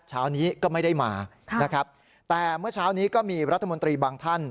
เช้านี้ก็ไม่ได้มานะครับแต่เมื่อเช้านี้ก็มีรัฐมนตรีบางท่าน